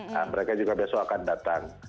nah mereka juga besok akan datang